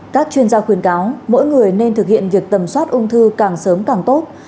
các chuyên gia khuyên cáo mỗi người nên thực hiện việc tầm soát ung thư càng sớm càng tốt